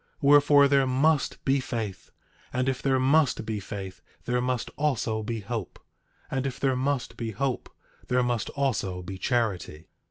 10:20 Wherefore, there must be faith; and if there must be faith there must also be hope; and if there must be hope there must also be charity.